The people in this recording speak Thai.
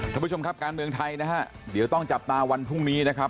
ท่านผู้ชมครับการเมืองไทยนะฮะเดี๋ยวต้องจับตาวันพรุ่งนี้นะครับ